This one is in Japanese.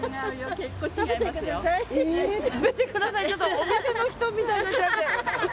お店の人みたいにおっしゃって。